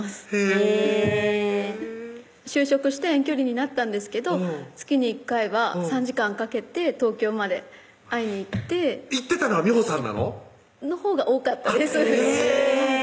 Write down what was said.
へぇ就職して遠距離になったんですけど月に１回は３時間かけて東京まで会いに行って行ってたのは美帆さんなの？のほうが多かったですへぇ！